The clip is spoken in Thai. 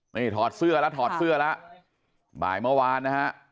นี่ถอดเสื้อแล้วถอดเสื้อแล้วบ่ายเมื่อวานนะฮะ